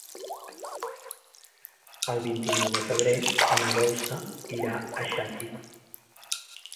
El vint-i-nou de febrer na Dolça irà a Xàtiva.